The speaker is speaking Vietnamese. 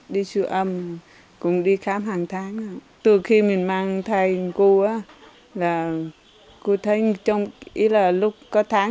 đi sửa âm cũng đi khám hàng tháng rồi từ khi mình mang thai cô ấy là cô thấy trong lúc có tháng